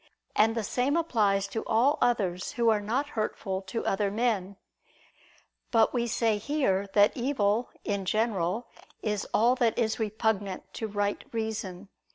And the same applies to all others who are not hurtful to other men. But we say here that evil, in general, is all that is repugnant to right reason.